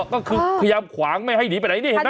ก็คือพยายามขวางไม่ให้หนีไปไหนนี่เห็นไหม